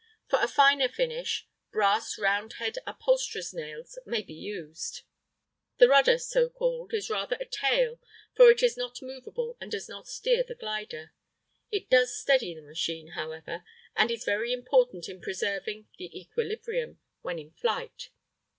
For a finer finish, brass round head upholsterer's nails may be used. The rudder, so called, is rather a tail, for it is not movable and does not steer the glider. It does steady the machine, however, and is very important in preserving the equilibrium when in flight.